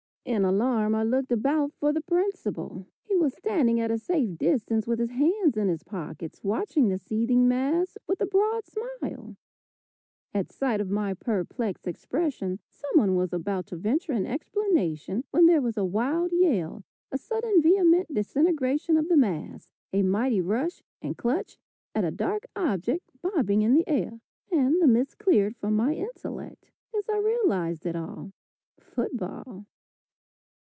In alarm I looked about for the principal. He was standing at a safe distance with his hands in his pockets watching the seething mass with a broad smile. At sight of my perplexed expression some one was about to venture an explanation, when there was a wild yell, a sudden vehement disintegration of the mass, a mighty rush and clutch at a dark object bobbing in the air and the mist cleared from my intellect as I realized it all football.